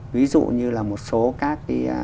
ví dụ như là một số các